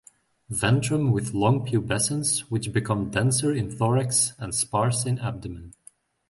Ventrum with long pubescence which become denser in thorax and sparse in abdomen.